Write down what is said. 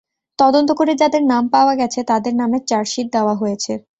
তদন্ত করে যাদের নাম পাওয়া গেছে, তাদের নামে চার্জশিট দেওয়া হয়েছে।